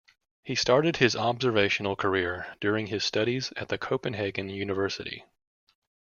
He started his observational career during his studies at the Copenhagen University.